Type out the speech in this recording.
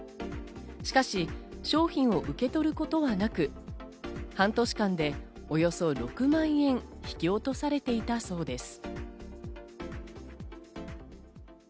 しかし商品を受け取ることがなく、半年間でおよそ６万円引き落とされていたそうです。